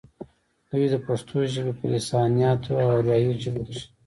دوي د پښتو ژبې پۀ لسانياتو او اريائي ژبو کښې